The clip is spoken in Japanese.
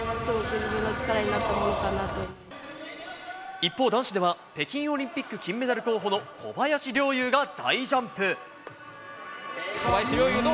一方、男子では北京オリンピック金メダル候補の小林陵侑が大ジャンプ。